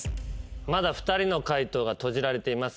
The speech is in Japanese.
まだ２人の解答が閉じられていますけども。